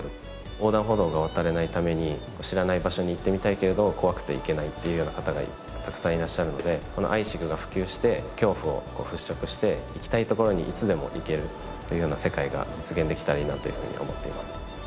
横断歩道が渡れないために知らない場所に行ってみたいけれど怖くて行けないっていうような方がたくさんいらっしゃるのでこのＡＩＳＩＧが普及して恐怖を払拭して行きたいところにいつでも行けるというような世界が実現できたらいいなというふうに思っています。